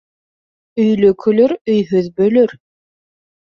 Өйлө көлөр, өйһөҙ бөлөр.